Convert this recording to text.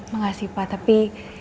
makasih pa tapi